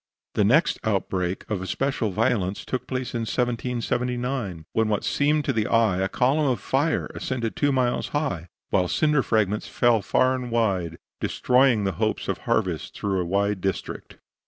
The next outbreak of especial violence took place in 1779, when what seemed to the eye a column of fire ascended two miles high, while cinder fragments fell far and wide, destroying the hopes of harvest throughout a wide district.